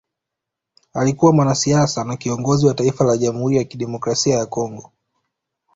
Alikuwa mwanasiasa na kiongozi wa Taifa la Jamhuri ya kidemokrasia ya Kongo